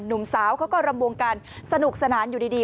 หนุ่มสาวเขาก็รำวงกันสนุกสนานอยู่ดี